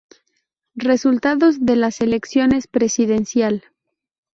Resultados de las elecciones presidencial